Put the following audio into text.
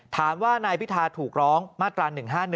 ถามว่านายพิธาถูกร้องมาตรา๑๕๑